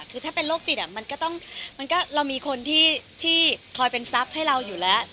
คือถ้าเป็นโรคจิตมันก็ต้องเรามีคนที่คอยเป็นทรัพย์ให้เราอยู่แล้ว